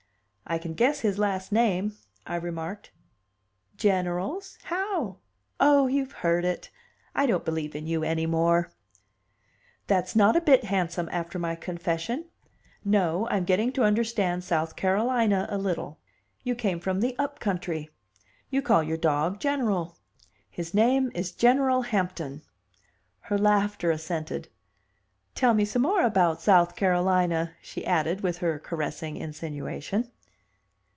"I can guess his last name," I remarked. "General's? How? Oh, you've heard it! I don't believe in you any more." "That's not a bit handsome, after my confession. No, I'm getting to understand South Carolina a little. You came from the 'up country,' you call your dog General; his name is General Hampton!" Her laughter assented. "Tell me some more about South Carolina," she added with her caressing insinuation.